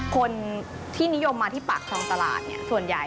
คนที่นิยมมาที่ปากคลองตลาดส่วนใหญ่